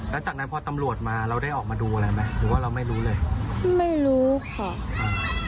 แล้วจากนั้นพอตำรวจมาเราได้ออกมาดูอะไรไหมหรือว่าเราไม่รู้เลยไม่รู้ค่ะอ่า